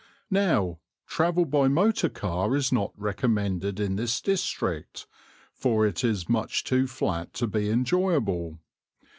Now, travel by motor car is not recommended in this district, for it is much too flat to be enjoyable.